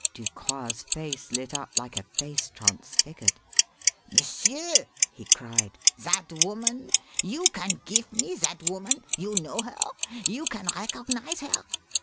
Ducroix's face lit up like a face transfigured. "M'sieur!" he cried. "That woman? You can give me that woman? You know her? You can recognize her?